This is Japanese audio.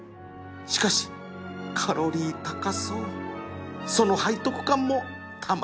しかしカロリー高そうその背徳感もたまらんのだが